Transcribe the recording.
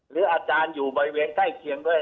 อาจารย์อยู่บริเวณใกล้เคียงด้วย